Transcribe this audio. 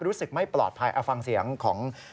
รู้สึกไม่ปลอดภัยเอาฟังเสียงของ